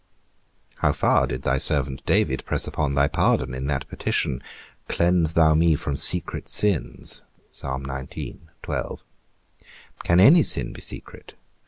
How far did thy servant David press upon thy pardon in that petition, Cleanse thou me from secret sins? Can any sin be secret?